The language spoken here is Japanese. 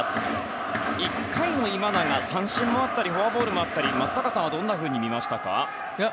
１回の今永、三振もあったりフォアボールもあったり松坂さんはどう見ましたか？